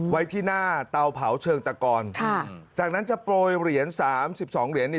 ไว้ที่หน้าเตาเผาเชิงตะกอนค่ะจากนั้นจะโปรยเหรียญสามสิบสองเหรียญนี่